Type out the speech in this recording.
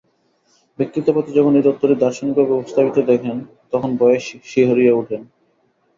ব্যক্তিত্ববাদী যখন এই তত্ত্বটি দার্শনিকভাবে উপস্থাপিত দেখেন, তখন ভয়ে শিহরিয়া উঠেন।